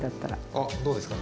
あっどうですか？